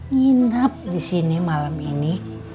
nginap disini malam ini